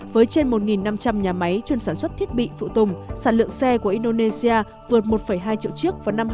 với trên một năm trăm linh nhà máy chuyên sản xuất thiết bị phụ tùng sản lượng xe của indonesia vượt một hai triệu chiếc vào năm hai nghìn hai mươi